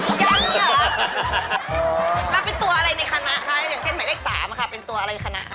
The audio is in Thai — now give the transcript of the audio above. แล้วเป็นตัวอะไรในคณะคะอย่างเช่นหมายเลข๓ค่ะเป็นตัวอะไรคณะ